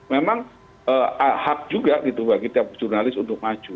memang hak juga gitu bagi tiap jurnalis untuk maju